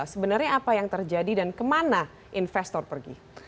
sebenarnya apa yang terjadi dan kemana investor pergi